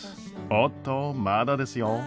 おっとまだですよ。